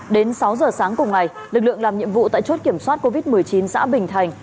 đến sáu giờ sáng cùng ngày lực lượng làm nhiệm vụ tại chốt kiểm soát covid một mươi chín xã bình thành